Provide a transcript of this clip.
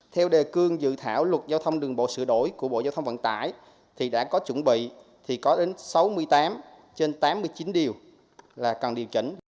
theo đề cương dự thảo luật giao thông đường bộ sửa đổi của bộ giao thông vận tải thì đã có chuẩn bị thì có đến sáu mươi tám trên tám mươi chín điều là cần điều chỉnh